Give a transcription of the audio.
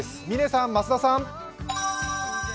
嶺さん、増田さん。